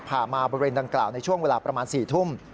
ผ่ามาบริเวณดังกล่าวในช่วงเวลาประมาณ๔ทุ่ม